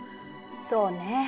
そうね。